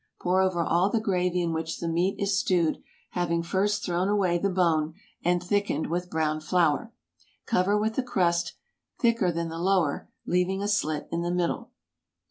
Pour over all the gravy in which the meat is stewed, having first thrown away the bone and thickened with browned flour. Cover with a crust thicker than the lower, leaving a slit in the middle.